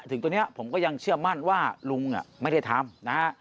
ถึงตัวนี้ผมก็ยังเชื่อมั่นว่าลุงไม่ได้ทำนะฮะ